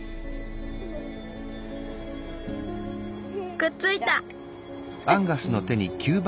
くっついた。